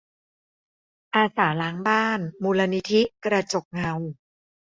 อาสาล้างบ้าน มูลนิธิกระจกเงา